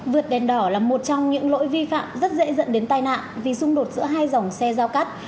vượt đèn đỏ là một trong những lỗi vi phạm rất dễ dẫn đến tai nạn vì xung đột giữa hai dòng xe giao cắt